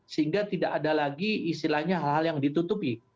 sehingga tidak ada lagi istilahnya hal hal yang ditutupi